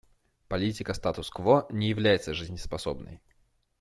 Политика статус-кво не является жизнеспособной.